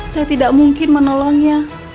saya tidak mungkin menolongnya